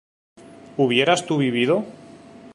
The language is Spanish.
¿hubieras tú vivido?